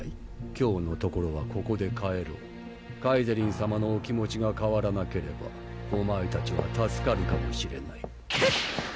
今日のところはここで帰ろうカイゼリンさまのお気持ちがかわらなければお前たちは助かるかもしれないフッ！